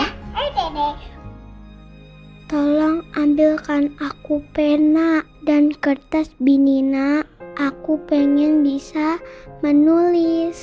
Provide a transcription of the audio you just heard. hai tolong ambilkan aku pena dan kertas binina aku pengen bisa menulis